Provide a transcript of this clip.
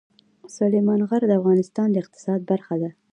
سلیمان غر د افغانستان د اقتصاد برخه ده.